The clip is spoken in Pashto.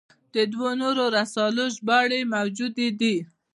د دوو نورو رسالو ژباړې موجودې دي.